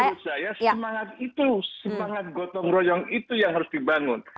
menurut saya semangat itu semangat gotong royong itu yang harus dibangun